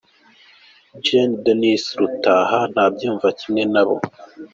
Gen. Denis Rutaha, ntabyumva kimwe na bo.